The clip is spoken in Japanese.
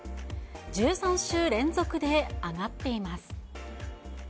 １３週連続で上がっています。